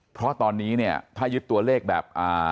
เพราะตอนนี้ถ้ายึดตัวเลขแบบ